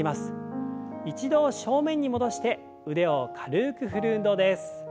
一度正面に戻して腕を軽く振る運動です。